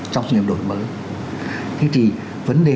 trong sự nghiệp đổi mới